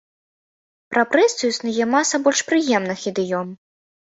Пра прэсу існуе маса больш прыемных ідыём.